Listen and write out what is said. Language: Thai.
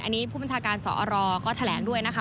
อันนี้ผู้บัญชาการสอรก็แถลงด้วยนะคะ